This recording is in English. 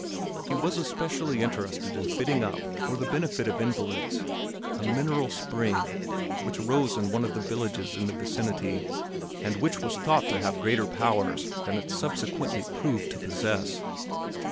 He was especially interested in fitting up, for the benefit of invalids, a mineral spring which rose in one of the villages in the vicinity, and which was thought to have greater powers than it subsequently proved to possess.